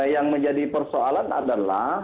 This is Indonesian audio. yang menjadi persoalan adalah